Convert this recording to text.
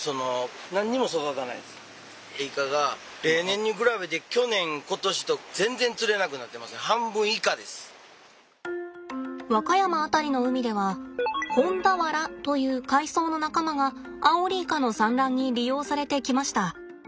例年に比べて和歌山辺りの海ではホンダワラという海藻の仲間がアオリイカの産卵に利用されてきました。